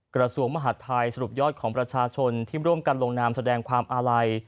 กระทรวงมหาดไทยสรุปยอดของประชาชนที่ร่วมกันลงนามแสดงความอาลัย